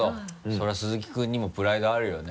それは鈴木君にもプライドあるよね。